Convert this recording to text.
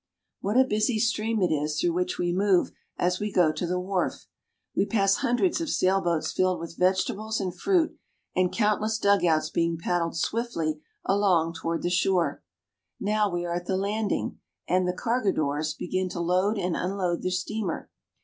What a busy stream it is through which we move as we 3o6 BRAZIL. go to the wharf! We pass hundreds of sailboats filled with vegetables and fruit, and countless dugouts being paddled swiftly along toward the shore. Now we are at the landing, and the cargadores begin to load and unload the steamer.